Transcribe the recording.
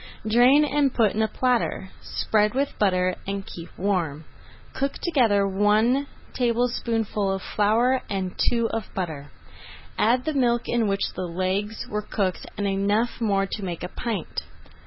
Drain and put in a platter. Spread with butter and keep warm. Cook together one tablespoonful of flour and two of butter, add the milk in which the legs were cooked and enough more to make a pint.